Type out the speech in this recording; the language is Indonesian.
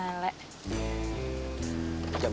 jangan bisa baik